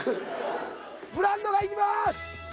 「ブランドがいきます。